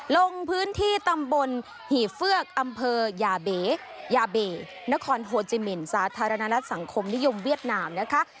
ลงพื้นที่ตำบลหี่เฟือกอำเภอยาเบยาเบนครโฮจิมินสาธารณรัฐสังคมนิยมเวียดนามนะคะ